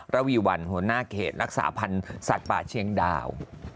ระวีวันหัวหน้าเขตรักษาพันธ์สัตว์ป่าเชียงดาว